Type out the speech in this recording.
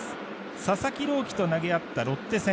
佐々木朗希と投げ合ったロッテ戦。